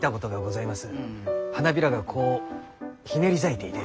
花びらがこうひねり咲いていて。